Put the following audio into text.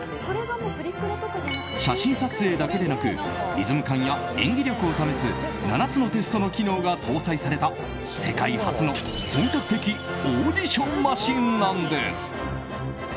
写真撮影だけでなく、リズム感や演技力を試す７つのテストの機能が搭載された世界初の本格的オーディションマシンなんです。